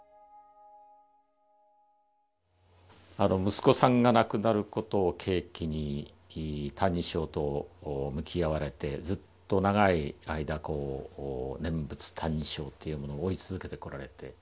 息子さんが亡くなることを契機に「歎異抄」と向き合われてずっと長い間念仏「歎異抄」というものを追い続けてこられて。